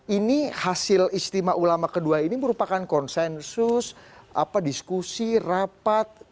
ini hasil istimewa ulama kedua ini merupakan konsensus diskusi rapat